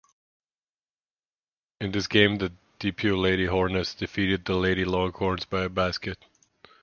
In this game the Depew Lady Hornets defeated the Lady Longhorns by a basket.